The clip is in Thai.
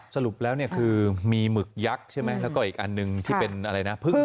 สรุปแล้วคือมีหมึกยักษ์แล้วก็อีกอันนึงที่เป็นอะไรนะ